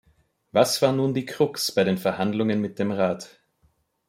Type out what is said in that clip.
Was war nun die Crux bei den Verhandlungen mit dem Rat?